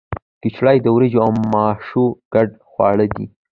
کچړي د وریجو او ماشو ګډ خواړه دي.